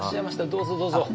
どうぞどうぞ。